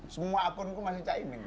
semua akunku masih ca imin